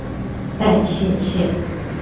淡信線